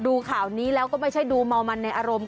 ดูข่าวนี้แล้วก็ไม่ใช่ดูเมามันในอารมณ์